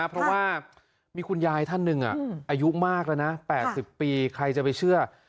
เพราะว่ามีคุณยายท่านหนึ่งอายุมากแล้วนะ๘๐ปีใครจะไปเชื่อ